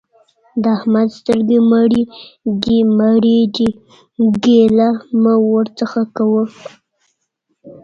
د احمد سترګې مړې دي؛ ګيله مه ورڅخه کوه.